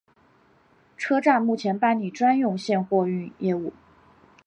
车站目前办理专用线货运业务。